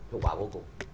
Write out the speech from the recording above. hiệu quả vô cùng